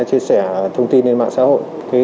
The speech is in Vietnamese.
chia sẻ hai thông tin lên mạng xã hội